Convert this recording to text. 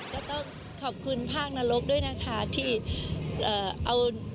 ก็ต้องขอบคุณภาคนรกด้วยนะคะที่เอา